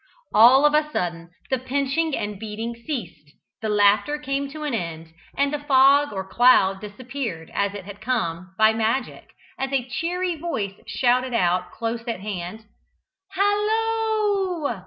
All of a sudden the pinching and beating ceased, the laughter came to an end, and the fog or cloud disappeared, as it had come, by magic, as a cheery voice shouted out, close at hand, "Halloo!